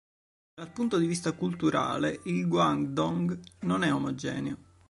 Dal punto di vista culturale il Guangdong non è omogeneo.